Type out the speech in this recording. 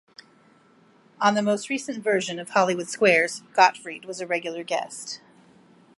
On the most recent version of "Hollywood Squares", Gottfried was a regular guest.